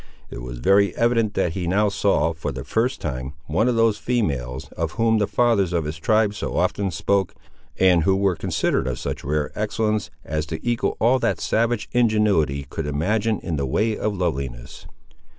It was very evident that he now saw, for the first time, one of those females, of whom the fathers of his tribe so often spoke, and who were considered of such rare excellence as to equal all that savage ingenuity could imagine in the way of loveliness.